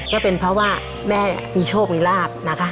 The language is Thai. ก็เป็นเพราะว่าแม่มีโชคมีลาบนะคะ